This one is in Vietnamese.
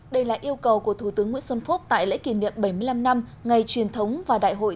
đây là yêu cầu của thủ tướng nguyễn xuân phúc tại lễ kỷ niệm bảy mươi năm năm ngày truyền thống và đại hội